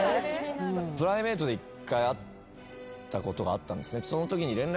プライベートで１回会ったことがあったんですね。